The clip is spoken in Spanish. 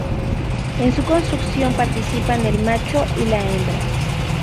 En su construcción participan el macho y la hembra.